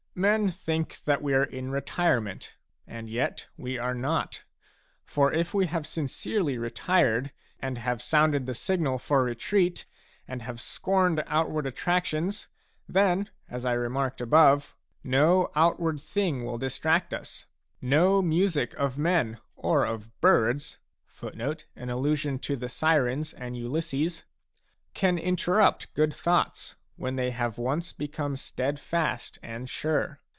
Men think that we are in retirement, and yet we are not. For if we have sincerely retired, and have sounded the signal for retreat, and have scorned outward attractions, then, as I remarked above, 6 no outward thing will distract us ; no music of men or of birds c can interrupt good thoughts, when they have once become steadfast and sure.